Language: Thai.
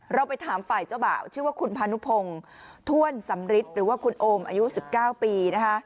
เราไปถามฝ่ายเจ้าบ่าวชื่อว่าคุณพานุพงศ์ถ้วนสำริทหรือว่าคุณโอมอายุ๑๙ปีนะคะ